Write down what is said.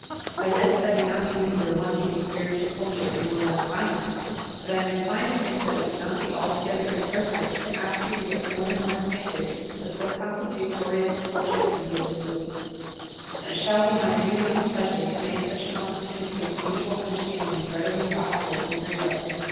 By this I do not mean that you are wanting in spir itual culture and moral refinement, but I am inclined to think that it would not be altogether inappropriate to ask you to get more and more acquainted with what constitutes Oriental cul ture and religious belief. And it shall be my duty and pleasure to make such an opportunity of mutual imderstanding readily possible in every way.